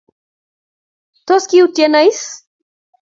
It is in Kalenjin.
Tos kiutyeno is?